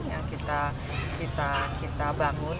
yang kita bangun